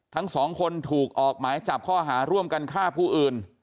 ทั้งสองคนถูกออกหมายจับข้อหาร่วมกันฆ่าผู้อื่น